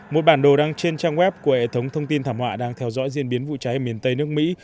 một bản đồ đăng trên trang web của hệ thống thông tin thảm họa đang theo dõi diễn biến vụ cháy ở miền tây nước mỹ